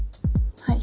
はい。